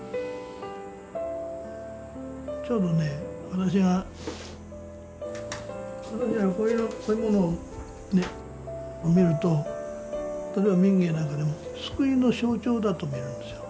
ちょうどね私が私らこういうものを見ると例えば民藝なんかでも救いの象徴だと見るんですよ。